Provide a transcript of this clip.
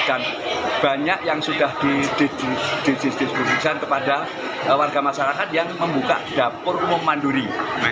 dan banyak yang sudah didistribusikan kepada warga masyarakat yang membuka dapur umum manduri